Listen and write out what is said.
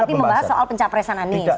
berarti membahas soal pencapresan anies